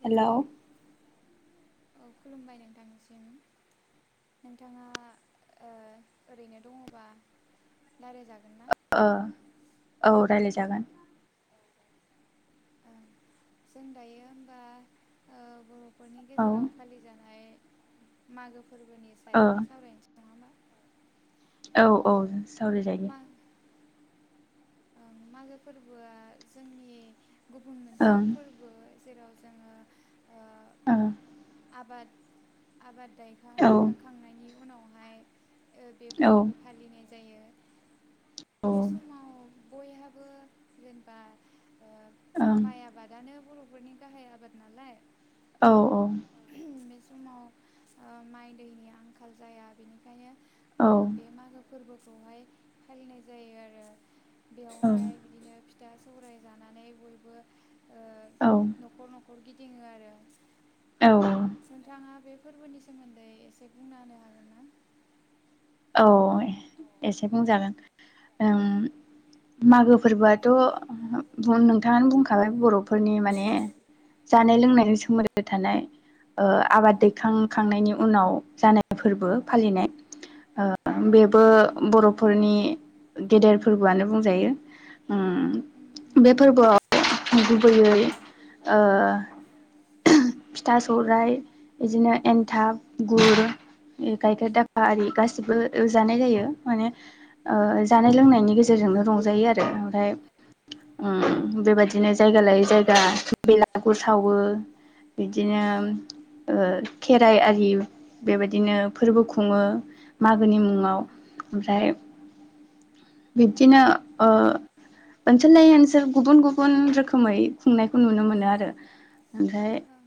Hello hello औ खुलुमबाय नोंथांसिम। नोंथाङा ओ ओरैनो दङबा रायलाय जागोन ना? ओ औ रायलाय जागोन। ओं जों दायो होमबा ओ बर' नखरनि औ गेजेराव फालिजानाय मागो फो फोरबोनि ओ सायावनो सावरायनोसै नङाबा। औ औ सावराय जायो मा ओं मागो फोरबोआ जोंनि गुबुन मोनसे ओं फोरबो जेराव जोङो ओ औ आबाद आबाद दैखां दैखांखांनायनि उनावहाय ओ बे औ फोरबोखौ फालिनाय जायो औ बे ओं समाव बयहाबो जेनबा ओ माइ आबादानो बर' फोरनि गाहाय आबाद नालाय औ औ बे समाव ओ माइ दैनि आंखाल जाया बेनिखायनो ओ बे मागो फोरबो खौहाय फालिनाय जायो आरो बेवहाय बिदिनो फि था सौराय जानानै बयबो ओ औ न'खर न'खर गिद दिङो आरो औ नोंथाङा बे फोरबोनि सोमोन्दै एसे बुंना होनो हागोन ना औ एसे बुंजागोन ओम मागो फोरबोआथ' नोंथाङानो बुंखाबाय बर'फोरनि माने जानाय लोंजों सोमोन्दो थानाय ओ आबाद ओं दैखांखांनायनि उनाव जानाय फोरबो फालिनाय ओ औ बेबो बर'फोरनि गेदेर फोरबोआनो बुंजायो ओम उम उम बे फोरबोआव गुबैयै ओ फिथा सौराइ बिदिनो उम एन्थाब गुर गाइखेर दाखा आरि गास गासिबो जानाय जायो माने ओ उम जानाय लोंनायनि गेजेरजोंनो रंजायो आरो ओमफ्राय ओं ओम बेबायदिनो जायगा लायै जायगा बेलागुर सावो बिदिनो औ ओ खेराइ आरि बेबायदिनो फोरबो खुङो मागोनि मुङाव ओं ओमफ्राय बिब्दिनो ओ ओनसोल लायै ओनसोल गुबुन गुबुन रोखोमै खुंनायखौ नुनो मोनो आरो ओमफ्राय ओं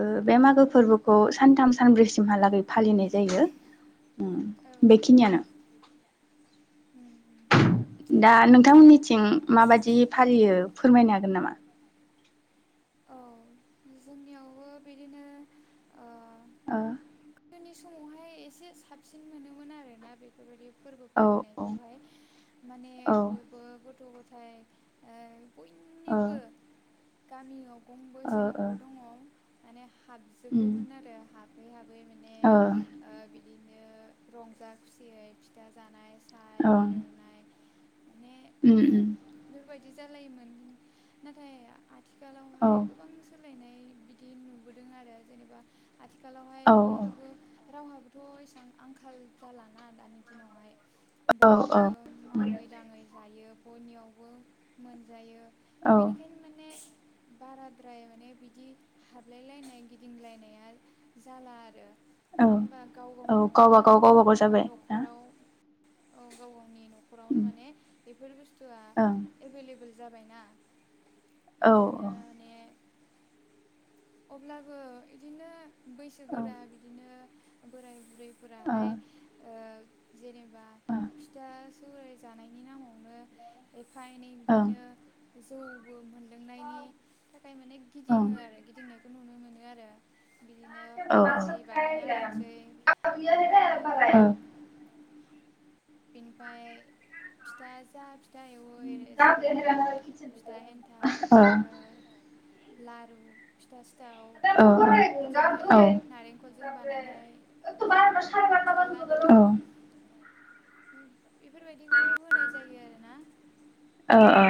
ओ बे मागो फोरबोखौ सानथाम सानब्रैसिमहालागै फालिनाय जायो ओम औ बेखिनियानो उम दा नंगौ नोंथांमोननिथिं माबायदि फालियो फोरमायनो हागोन नामा औ जोंनियावबो बिदिनो ओ ओ गोदोनि समावहाय एसे साबसिन मोनोमोन आरोना बेफोरबायदि फोरबो ओ फालिनायखौहाय माने औ ओ बयबो गथ' ग ओमफ्राय ओ बयनिबो गामियाव गंबैसे ओ ओ न'खर दङ माने उम हाबजोबोमोन आरो हाबै हाबै मान ओ बिदिनो रंजा खुसियै फिथा जानाय साहा औ इरि [unintelligible] उम उम बिदि जालायोमोन नाथाय औ आथिखालावहाय गोबां सोलायनाय बिदि नुबोदों आरो जेनेबा आथिखालावहाय औ बयहा रावहाबोथ' एसेबां आंखाल जालाना दानि दिनावहाय औ औ बयबो उम मावै दाङै जायो बयनियावबो मोनजायो औ बिनिखायनो माने बाराद्राय माने बिदि हाबलायलायनाय गिदिंलायनाया जाला आरो औ मानो होनबा गाव औ गावनावनो गावबागाव गावबागाव ओ जाबाय ना न'खराव औ गाव गावनि न'खरावनो उम माने बेफोर बुस तुआ ओं एबोल एबोल जाबायना औ ओंखायनो ने अब्लाबो इदिनो औ बैसोगोरा बिदिनो बोराय औ ओ बुरैफोराहाय ओ जेनेबा ओ फिथा सौराय जानायनि नामावनो एफा एन ओं जौबो मोनलोंनायनि थाखाय माने ओं गिदिङो आरो गिदिंनायखौ नुनो मोनो आरो बिदिनो औ खाजि औ बानायना होनोसै मागो ओम- बिनिफ्राय फिथा जा फिथा एवो ए जेरैहाय फिथा एन्थाब ओ लारु फिथा सिथाव बिदिनो नारेंखल जों बानायनाय ला फिथा लादु बेफोरबायदिखौ होनाय जायो आरो ना ओ ओ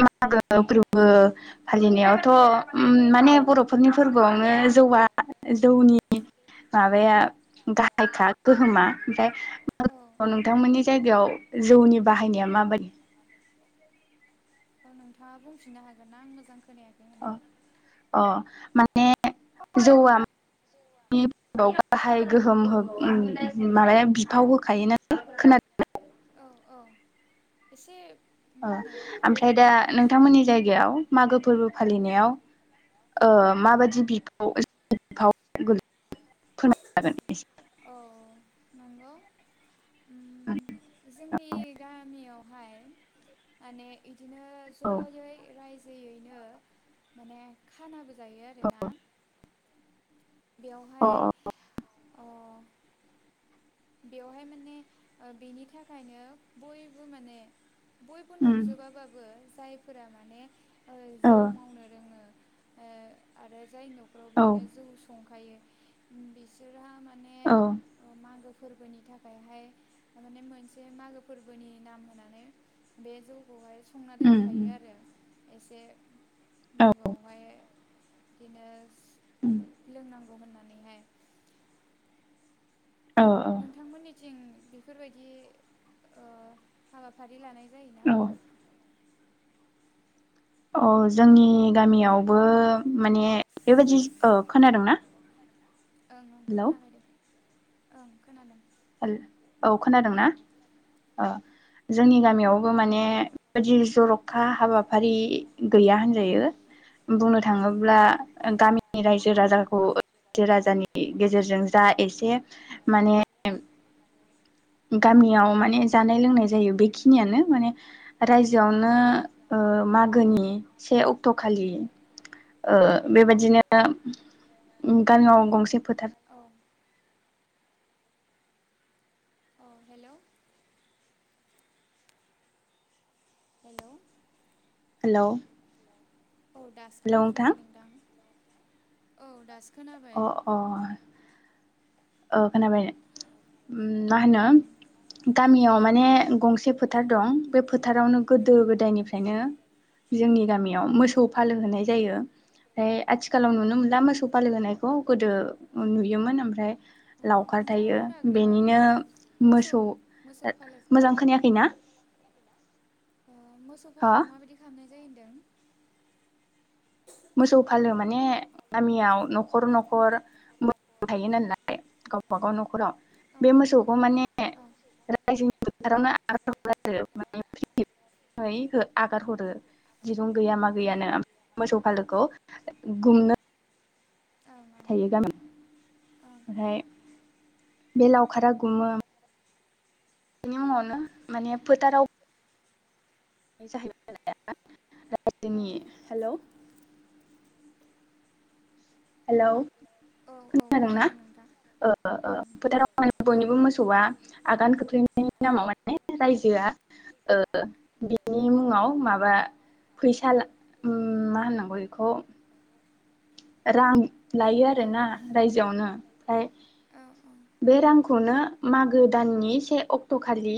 मागो फोरबो फालिनायावथ' ओम माने बर'फोरनि फोरबोआवनो जौआ जौनि माबाया गाहायखा गोहोमा ओमफ्राय औ नोंथांमोननि जायगायाव जौनि बाहायनाया माबा औ नोंथाङा बुंफिनो हागोनना आं मोजां खोनाया अ अ माने जौआ [unintelligible] गाहाय गोहोम हो उम माबाया बिफाव होखा [unintelligible] औ औ एसे मा ओ होनो ओमफ्राय दा नेटवर्कनि इसु नोंथांमोननि जादों जायगायाव मागो फोरबो फालिनायाव ओ औ माबायदि बिफाव [unintelligible] [unintelligible] औ नंगौ उम जोंनि गामियावहाय माने इदिनो औ जयै रायजोयैनो माने खानाबो जायो आरोना। औ अ बेवहाय ओ बेवहाय माने ओ बेनि थाखायनो बयबो माने बयबो उम नंजोबाबाबो जायफोरा माने ओ औ जौ मावनो रोङो ओ आरो जाय न'खराव औ बिदिनो जौ संखायो बिसोरा मा औ फोरबोनि थाखायहाय माने मोनसे मागो फोरबोनि नाम होनानै बे जौखौहाय संना उम उम दोनखायो आरो एसे औ मागोआवहाय दिनोस उम लोंनांगौ होननानैहाय औ औ नोंथांमोननि थिं बेफोरबायदि ओ हाबाफारि लानाय जायोना? औ अ जोंनि हेल' गामियावबो माने बेबायदि औ खोनादोंना? ओं ओं हेलौ खोनाबाय दे। ओं खोनादों। हेल औ खोनादोंना ओ जोंनि गामियावबो माने [unintelligible] जर'खा हाबाफारि गैया होनजायो। बुंनो ओं थाङोब्ला गामि नि रायजो राजाखौ [unintelligible] राजानि गेजेरजों जा एसे माने [unintelligible] गामियाव माने जानाय लोंनाय जायो बेखिनियानो माने रायजोआवनो ओ मागोनि से अक्ट' खालि ओ बेबादिनो गामियाव गंसे फोथार औ अ हेल' हेल' हेल' औ दासो खोनाफिनबाय नोंथां। औ दासो खोनाबाय अ अ औ खोनाबाय [unintelligible] उम मा होनो गामियाव मा ने गंसे फोथार दं बे फोथ थारावनो गोदो उम उम गोदायनिफ्रायनो जोंनि गामियाव मोसौ फालो होनाय जायो फाय आथिखालाव नुनो उम मोनला अ मोसौ फालो होनायखौ गोदो नुयोमोन ओमफ्राय लावखार नोंथाङा थायो बुंनो हागोन नामा बे बेनिनो मोसौ मोसौ मोजां फालोखौहाय खोनायाखैनाा मोसौ फाललिखौ माबायदि खालामनाय जदों मोसौ फालो माने गामियाव न'खर न'खर मोसौ थायो नालाय गावबागाव न'खराव औ बे मोसौखौ माने औ रायजोनि फोथारावनो ारर आरो म फ्रि आगारहरो गैया मा उम गैयानो मोसौ गुमनो ओं थायो ओं गाबोन ओं ओमफ्राय बे लावखारा गुमो बेनि मुङावनो माने फोथाराव जाह औ नि हेल' हेलौ औ औ म नोंना खोनादों नोंथां फोथाराव माने बयनिबो मो मोसौआ आगान खोख्लैनायनि नामाव माने रायजोआ बिनि मुङाव माबा फैसा मा होननांगौ बेखौ राम लायो ओं आरोना रायजोआवनो ओमफ्राय ओं बे रांखौनो मागो दाननि से अक्ट' खालि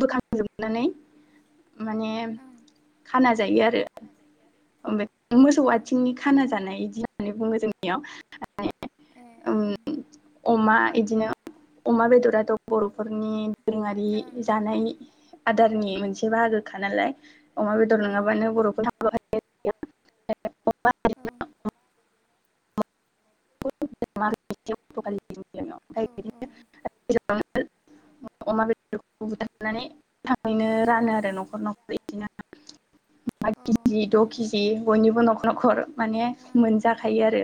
बोखांजोबनानै माने ओं ओं खाना जायो आरो ओफ्राय ओं मोसौआ ओं आथिंनि खाना जानाय बिदि होननानै बुङो जोंनियाव ए ए [inaudible] अमा बिदिनो अमा बेदराथ' बर'फोरनि दोरोङारि ओं ओं जानाय आदारनि मोनसे बाहागोखा नालाय अमा बेदर औ नङाबानो बर'फोर हाब [inaudible] ओ औ बिदिनो औ ओं अमा बेदरखौ बुथारनानै थाङैनो रानो आरो न'खर न'खर बिदिनो ए ओं केजि द' केजि बयनिबो न'खर नखर माने मोनजाखायो आरो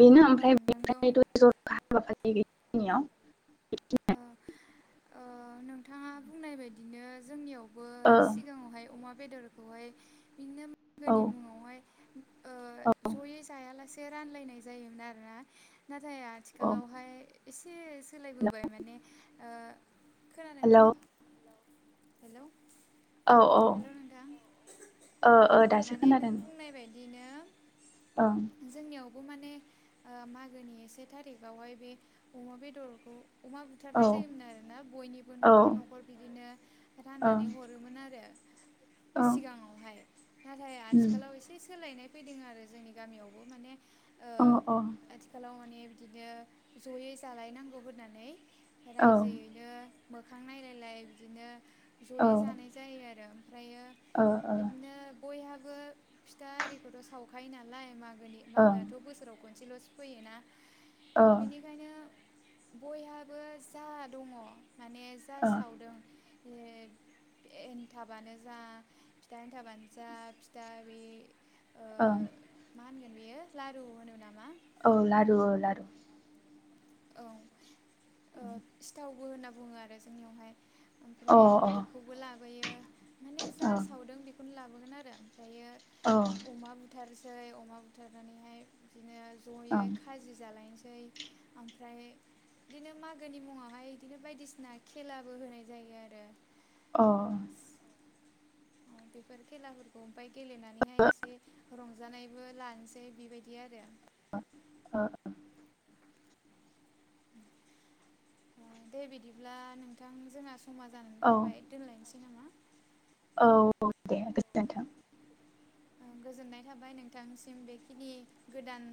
बेनो ओमफ्राय ओं नंगौ बेनिफ्राय' जर हाबाफ गनियाव ओ ओ नोंथाङा बुंनाय बायदिनो जोंनियाव बो सिगाङावहाय अमा बेदरखौहाय बिदिनो ओ मोगोनि मुङावहाय जयै जायालासे एसे रानलायनाय जायोमोन आरोना नाथाय औ आथिखालावहाय एसे सोलायबोबाय माने ओ खोनादोंना हेलौ हेलोव औ औ हेल' नोंथां ओ ओ औ दासो माने नों खोनादों बुंनाय बाय ओं बिदिनो जोंनियावबो मान माने ओ मागोनि ए से थारिखावहाय बे अमा बेदरखौ अमा औ बुथारनाय जायोमोन आरोना बयनिबो औ न'खर न'खर बिदिनो ओं राननानै हरोमोन आरो। ओं सिगाङावहाय नाथाय उम आथिखालाव एसे सोलायनाय फैदों आरो जोंनि गामियावबो माने ओ अ औ आथिखालाव माने बिदिनो जयै जालायनांगौ होननानै औ रायजोयैनो मोखां नायलायलाय बिदिनो ओ जयै जानाय जायो आरो ओमफायो ओ बिदिनो बयहाबो फिथा आरिखौथ' साव खायो नालाय माग ओं मागोआथ' बोसोराव खन नसेल'सो फैयोना ओ बेनिखायनो बयहाबो जा दङ माने जा ओ सावदों [unintelligible] एनथाबानो जा जा फिथानो थाबानो जा फिथा बे ओं मा होनगोन बेयो लारु होनो नामा? औ लारु औ लारु औ सिथावबो होनना बुङो आरो जोंनियावहाय। अ ओमफ्राय बेखौबो लाबो माने जा ओं सावदों बेखौनो लाबो गोन आरो औ ओं ओमफ्रायो अमा बुथार सै अमा बुथारनानैहाय बिदिनो अ जयै खाजि जालायनोसै। दै ओमफ्राय बिदिनो मागोनि मुङावहाय इदिनो बायदिसिना खेलाबो होनाय जायो आरो। अ अ बेफोर खेलाफोरखौ ओमफफ्राय गेलेनानैहाय एसे रंजानाय बो लसै बेबायदि आरो। [inaudible] ओ दे बिदिब्ला नोंथां जोंहा समा जानानै ओ फैबाय दोनलायनोसै। नामा औ दे गोजोनथों। ओं गोजोननाय थाबाय नोंथांसिम बेखिनि गोदान